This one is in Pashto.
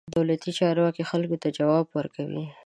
دولتي چارواکي خلکو ته ځواب ورکوي.